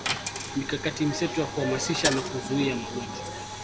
mikakati mseto ya kuhamasisha na kuzuia magonjwa